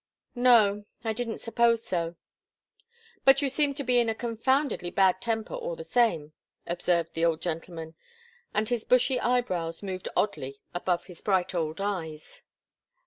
"No. I didn't suppose so." "But you seem to be in a confoundedly bad temper all the same," observed the old gentleman, and his bushy eyebrows moved oddly above his bright old eyes.